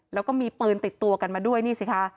แล้วก็มีปืนติดตัวกันมาด้วยนี่สิคะ